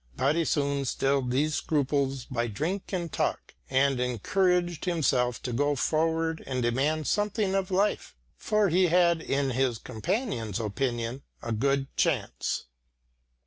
But he soon stilled these scruples by drink and talk, and encouraged himself to go forward and demand something of life, for he had in his companions' opinion a good chance.